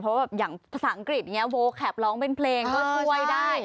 เพราะว่าอย่างภาษาอังกฤษอย่างนี้โวลแคปร้องเป็นเพลงก็ช่วยได้